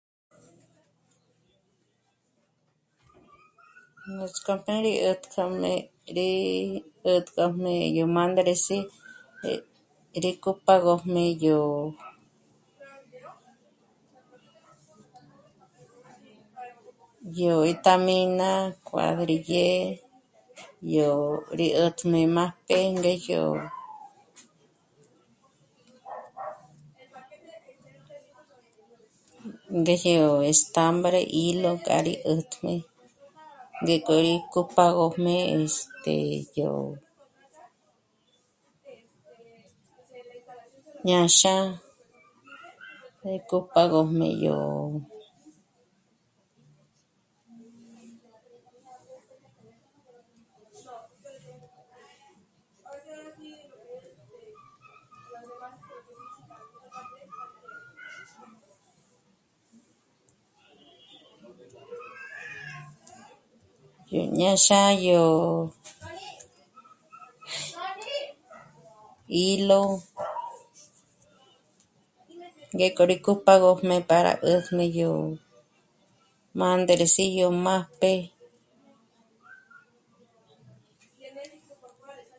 Nuts'k'ójmé rí 'ä̀t'k'ojmé..., rí 'ä̀t'k'ojmé yó mândres'i, rí cupágojmé yó..., yó 'étamina, cuadrillé, yó rí 'ä̀jt'i májp'e ngejyo... ngéjyo estambre, hilo k'a rí 'ä̀t'jmé, ngék'o rí cupágojmé, este... yó ñâxa... ngék'o pâ'a gó médyo ó... yó ñâxa, yó hilo, ngék'o rí cupágojmé para 'ä̀tjmé yó mândres'i yó májp'e...